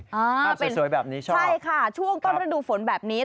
ภาพสวยแบบนี้ชอบใช่ค่ะช่วงต้นฤดูฝนแบบนี้